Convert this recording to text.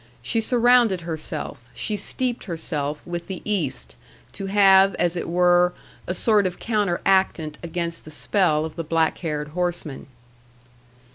She surrounded herself, she steeped herself, with the East, to have, as it were, a sort of counteractant against the spell of the black haired horse man.